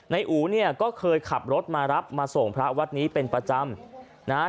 อู๋เนี่ยก็เคยขับรถมารับมาส่งพระวัดนี้เป็นประจำนะฮะ